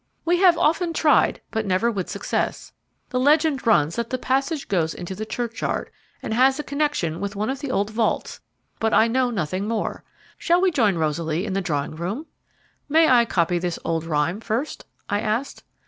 "We have often tried, but never with success. The legend runs that the passage goes into the churchyard, and has a connection with one of the old vaults, but I know nothing more. Shall we join Rosaly in the drawing room?" "May I copy this old rhyme first?" I asked.